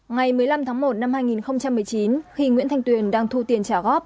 ngày một mươi năm tháng một năm hai nghìn một mươi chín khi nguyễn thanh tuyền đang thu tiền trả góp